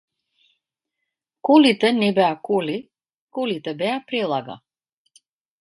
Колите не беа коли, колите беа прелага.